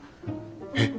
えっ！？